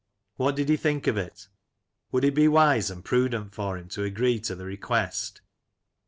What did he think of it? would it be wise and prudent for him to agree to the requiest?